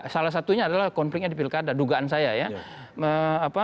salah satunya adalah konfliknya di pilkada dugaan saya ya